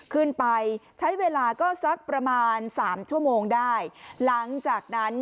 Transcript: ขึ้นไปใช้เวลาก็สักประมาณสามชั่วโมงได้หลังจากนั้น